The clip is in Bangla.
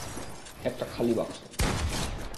একটা খালি বাক্স।